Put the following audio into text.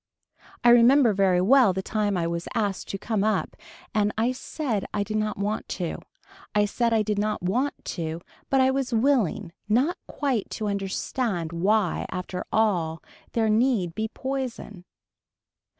I remember very well the time I was asked to come up and I said I did not want to. I said I did not want to but I was willing not quite to understand why after all there need be poison.